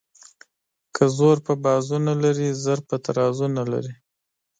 ـ که زور په بازو نه لري زر په ترازو نه لري.